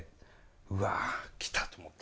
うわ来た！と思った。